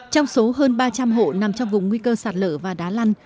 trong số hơn ba trăm linh hộ nằm trong vùng nguy cơ sạt lở và đá lăn